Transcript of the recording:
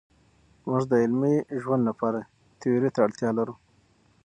موږ د عملي ژوند لپاره تیوري ته اړتیا لرو.